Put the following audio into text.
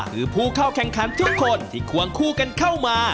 คือผู้เข้าแข่งขันทุกคนที่ควงคู่กันเข้ามา